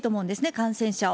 感染者を。